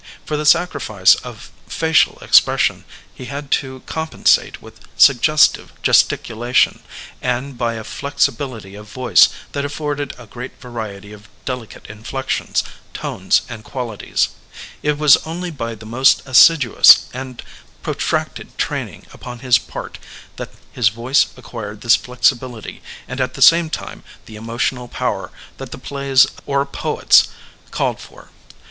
For the sacrifice of facial expression he had to com pensate with suggestive gesticulation, and by a flexi bility of voice that afforded a great variety of deli cate inflections, tones and qualities. It was only by the most assiduous and protracted training upon his part that his voice acquired this flexibility and at the same time the emotional power that the plays of the Digitized by Google EVOLUTION OF THE ACTOR 473 Ore^ poets called for.